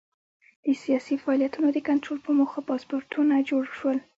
د سیاسي فعالیتونو د کنټرول په موخه پاسپورټونه جوړ شول.